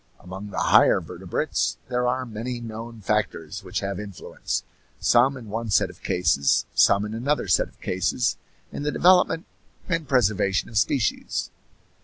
Among the higher vertebrates there are many known factors which have influence, some in one set of cases, some in another set of cases, in the development and preservation of species.